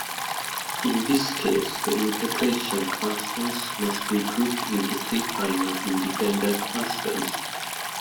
In this case, the integration constants must be grouped into three final independent constants.